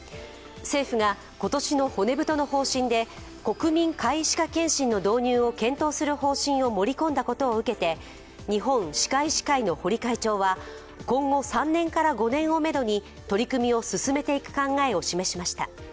政府が今年の骨太の方針で、国民皆歯科検診の導入を検討する方針を盛り込んだことを受けて日本歯科医師会の堀会長は今後３年から５年をめどに取り組みを進めていく考えを示しました。